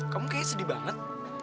kamu kayaknya sedih banget